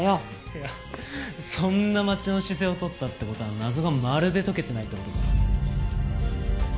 いやそんな待ちの姿勢を取ったって事は謎がまるで解けてないって事か。